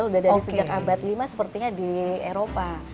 udah dari sejak abad lima sepertinya di eropa